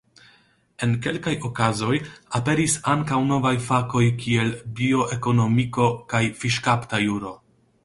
En kelkaj okazoj aperis ankaŭ novaj fakoj kiel bioekonomiko kaj fiŝkapta juro.